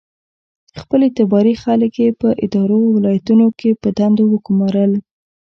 خپل اعتباري خلک یې په ادارو او ولایتونو کې په دندو وګومارل.